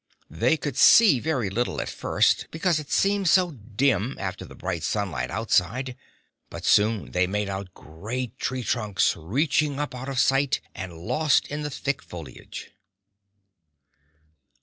They could see very little at first, because it seemed so dim, after the bright sunlight outside, but soon they made out great tree trunks reaching up out of sight and lost in the thick foliage.